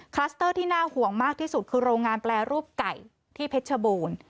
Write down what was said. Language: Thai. สเตอร์ที่น่าห่วงมากที่สุดคือโรงงานแปรรูปไก่ที่เพชรชบูรณ์